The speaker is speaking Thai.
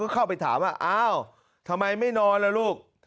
เข้าไปถามว่าอ้าวทำไมไม่นอนล่ะลูก